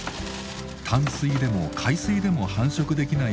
淡水でも海水でも繁殖できない